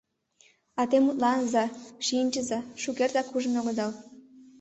Ате мутланыза, шинчыза, шукертак ужын огыдал.